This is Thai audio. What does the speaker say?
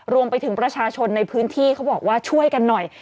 รวมไปถึงประชาชนในพื้นที่เขาบอกว่าช่วยกันหน่อย